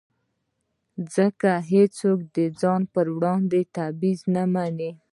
ځکه هېڅوک د ځان پر وړاندې تبعیض نه مني.